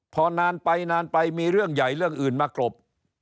พอนานไปนานไปมีเรื่องใหญ่เรื่องอื่นมากรบ